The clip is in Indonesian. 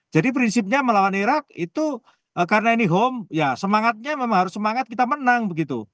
jadi prinsipnya melawan iraq itu karena ini home ya semangatnya memang harus semangat kita menang begitu